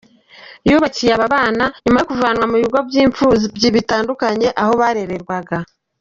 Yubakiwe aba bana nyuma yo kuvanywa mu bigo by’imfubyi bitandukanye aho barererwaga.